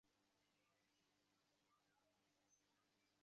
নিরলস প্রচেষ্টায় তার স্কি যন্ত্রটিকে শেষ সীমানায় নিয়ে যেতে সমর্থ হয়।